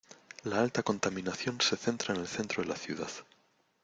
La alta contaminación se centra en el centro de la ciudad.